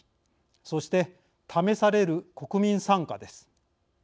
そして、試される国民参加です。